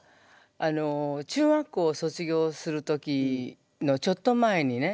あの中学校を卒業する時のちょっと前にね